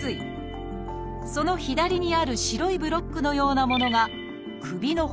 その左にある白いブロックのようなものが首の骨。